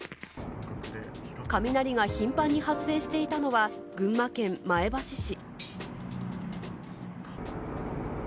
雷が頻繁に発生していたのは、群馬県前橋市。